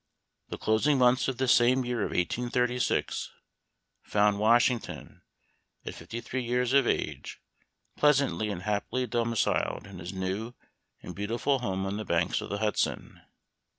The closing months of this same year of 1836 found Washington, at fifty three years of age, pleasantly and happily domiciled in his new and beautiful home on the banks of the Hudson.